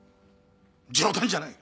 冗談じゃない。